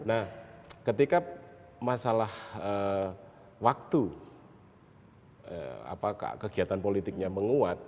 nah ketika masalah waktu kegiatan politiknya menguat